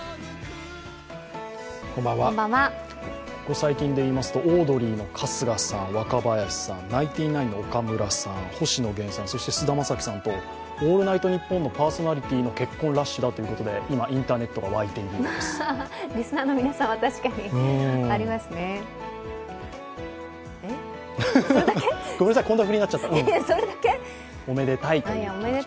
ここ最近でいいますと、オードリーの春日さん、若林さん、ナインティナインの岡村さん、星野源さん、菅田将暉さんと「オールナイトニッポン」のパーソナリティーの結婚ラッシュだということで今、インターネットが沸いているようです。